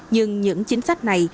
nhưng những chính sách này